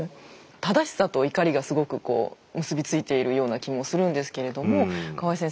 正しさと怒りがすごくこう結び付いているような気もするんですけれども川合先生